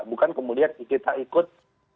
bukan kemudian kita ikut